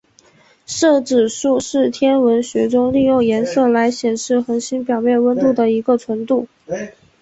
色指数是天文学中利用颜色来显示恒星表面温度的一个纯量。